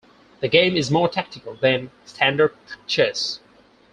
The game is more tactical than standard chess.